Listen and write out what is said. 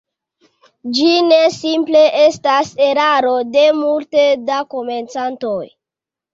Ĝi ne simple estas eraro de multe da komencantoj.